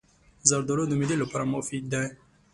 زردالو د معدې لپاره مفید دی.